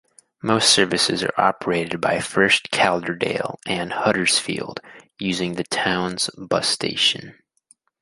Most services are operated by First Calderdale and Huddersfield, using the town's bus station.